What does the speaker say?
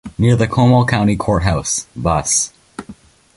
Near the Comal County Courthouse, Bus.